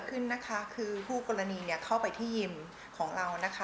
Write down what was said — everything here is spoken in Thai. เหตุการณ์แหละคือผู้กรณีเข้าไปที่อิ่มของเรานะคะ